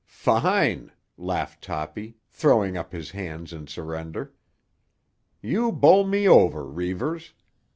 "Fine!" laughed Toppy, throwing up his hands in surrender. "You bowl me over, Reivers.